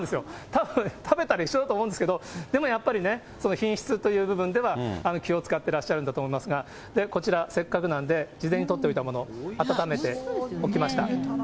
たぶん、食べたら一緒だと思うんですけど、でもやっぱりね、品質という部分では、気を遣ってらっしゃるんだと思いますが、こちら、せっかくなんで、事前に取っておいたもの、温めておきました。